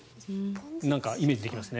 なんかイメージできますね。